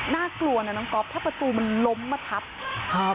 น่ากลัวนะน้องก๊อฟถ้าประตูมันล้มมาทับครับ